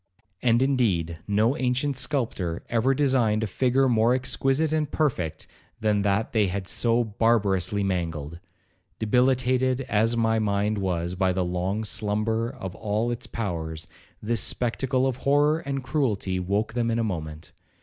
And, indeed, no ancient sculptor ever designed a figure more exquisite and perfect than that they had so barbarously mangled. Debilitated as my mind was by the long slumber of all its powers, this spectacle of horror and cruelty woke them in a moment.